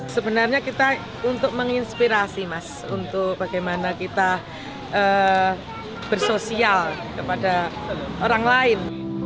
sebenarnya kita untuk menginspirasi mas untuk bagaimana kita bersosial kepada orang lain